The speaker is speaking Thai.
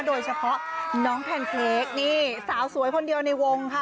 โดยเฉพาะน้องแพนเค้กนี่สาวสวยคนเดียวในวงค่ะ